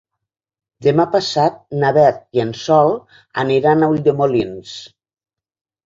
Demà passat na Beth i en Sol aniran a Ulldemolins.